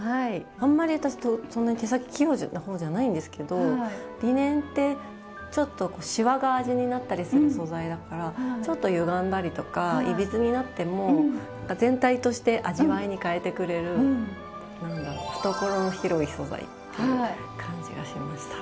あんまり私そんなに手先器用な方じゃないんですけどリネンってちょっとシワが味になったりする素材だからちょっとゆがんだりとかいびつになっても全体として味わいに変えてくれる何だろう懐の広い素材っていう感じがしました。